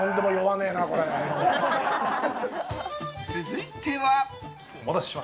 続いては。